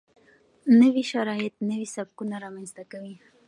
نوي شرایط نوي سبکونه رامنځته کوي.